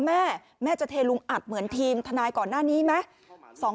แม่แม่จะเทลุงอัดเหมือนทีมทนายก่อนหน้านี้ไหม